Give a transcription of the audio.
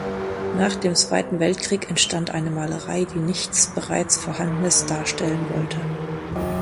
Nach dem Zweiten Weltkrieg entstand eine Malerei, die nichts bereits Vorhandenes darstellen wollte.